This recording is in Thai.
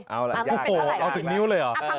เอาสินิ้วเลยหรอ